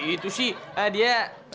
itu sih dia